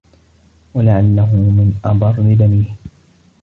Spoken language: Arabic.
وَلَعَلَّهُ مِنْ أَبَرِّ بَنِيهِ